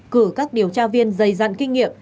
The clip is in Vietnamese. cử các điều tra viên dày dặn kinh nghiệm